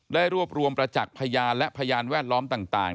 ได้รวบรวมประจักษ์พยานและพยานแวดล้อมต่าง